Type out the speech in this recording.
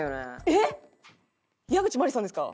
えっ！矢口真里さんですか？